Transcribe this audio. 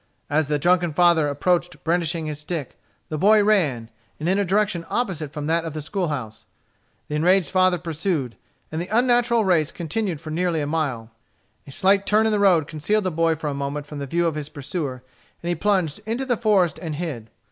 As the drunken father approached brandishing his stick, the boy ran, and in a direction opposite from that of the school house. The enraged father pursued, and the unnatural race continued for nearly a mile. A slight turn in the road concealed the boy for a moment from the view of his pursuer, and he plunged into the forest and hid.